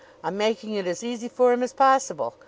I'm making it as easy for him as possible.